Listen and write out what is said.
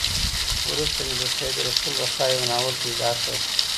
وروسته مي د سيد رسول رسا يو ناول پيدا کړ.